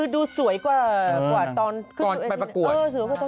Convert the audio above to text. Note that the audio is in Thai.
ดูสวยกว่าก่อนไปประกวด